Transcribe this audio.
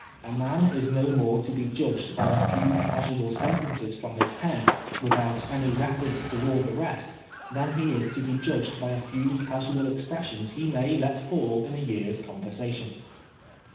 A man is no more to be judged by a few casual sentences from his pen, without any reference to all the rest, than he is to be judged by a few casual expressions he may let fall in a year's conversation.